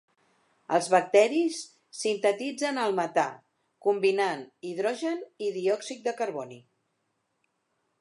Els bacteris sintetitzen el metà combinant hidrogen i diòxid de carboni.